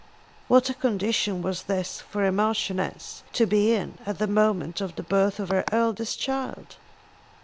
What a condition was this for a Marchioness to be in at the moment of the birth of her eldest child!